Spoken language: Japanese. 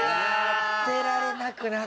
当てられなくなかった。